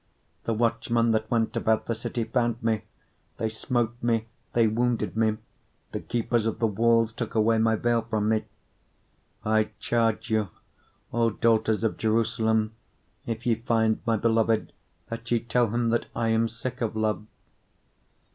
5:7 The watchmen that went about the city found me, they smote me, they wounded me; the keepers of the walls took away my veil from me. 5:8 I charge you, O daughters of Jerusalem, if ye find my beloved, that ye tell him, that I am sick of love.